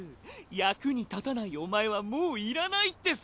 役に立たないお前はもういらないってさ。